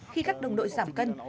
khi các đồng đội giảm cân